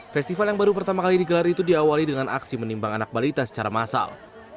festival yang baru pertama kali digelar itu diawali dengan aksi menimbang anak balita secara massal